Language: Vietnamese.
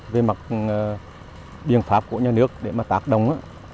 các biện pháp của nhà nước để mà tạp đồng á